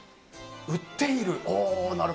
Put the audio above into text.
売っている。